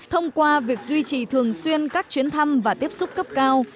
thông qua việc duy trì thường xuyên các chuyến thăm và tiếp xúc cấp cao